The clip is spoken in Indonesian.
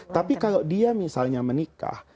tapi kalau dia misalnya menikah